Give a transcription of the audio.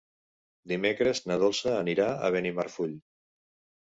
Dimecres na Dolça anirà a Benimarfull.